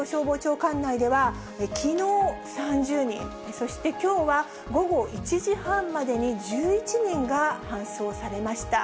管内では、きのう３０人、そしてきょうは午後１時半までに１１人が搬送されました。